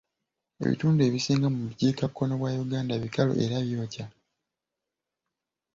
Ebitundu ebisinga mu bukiikakkono bwa Uganda bikalu era byokya.